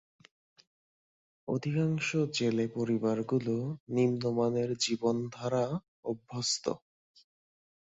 অধিকাংশ জেলে পরিবারগুলো নিম্নমানের জীবনধারা অভ্যস্ত।